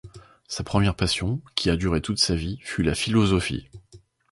Sa première passion, qui a duré toute sa vie, fut la philosophie.